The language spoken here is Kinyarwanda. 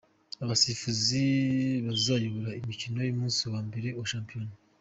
Abasifuzi bazayobora imikino y’umunsi wa mbere wa shampiyona.